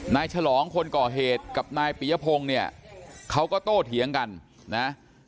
ฉลองคนก่อเหตุกับนายปียพงศ์เนี่ยเขาก็โตเถียงกันนะ